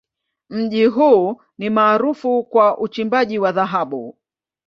Mji huu ni maarufu kwa uchimbaji wa dhahabu.